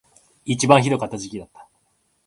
一番ひどかった時期だった